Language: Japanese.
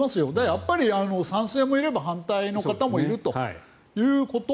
やっぱり賛成もいれば反対の方もいるということ。